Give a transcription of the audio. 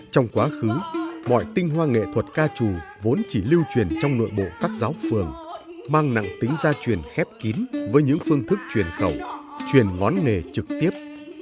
trong quá khứ mọi tinh hoa nghệ thuật ca trù vốn chỉ lưu truyền trong nội bộ các giáo phường mang nặng tính gia truyền khép kín với những phương thức truyền khẩu truyền ngón nề trực tiếp